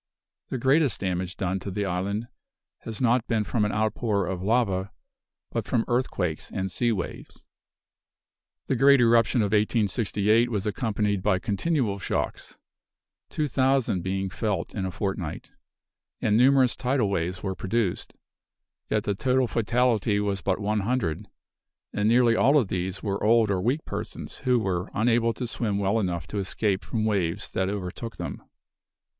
The greatest damage done to the island has not been from an outpour of lava, but from earthquakes and sea waves. The great eruption of 1868 was accompanied by continual shocks two thousand being felt in a fortnight, and numerous tidal waves being produced; yet the total fatality was but one hundred, and nearly all of these were old or weak persons who were unable to swim well enough to escape from waves that overtook them.